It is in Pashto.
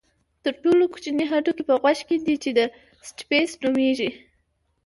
تر ټولو کوچنی هډوکی په غوږ کې دی چې سټیپس نومېږي.